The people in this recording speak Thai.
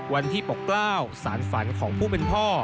วันที่ปกเกล้าวสารฝันของผู้เป็นพ่อ